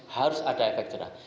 harus ada efek jerah